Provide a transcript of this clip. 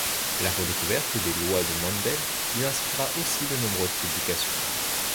La redécouverte des Lois de Mendel lui inspira aussi de nombreuses publications.